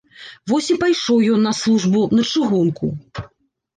Вось і пайшоў ён на службу, на чыгунку.